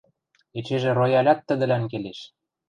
— Эчежӹ роялят тӹдӹлӓн келеш.